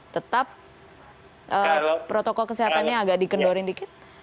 tetap protokol kesehatannya agak dikendorin dikit